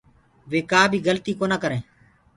وي ڪآ بي گلتيٚ ڪونآ ڪرينٚ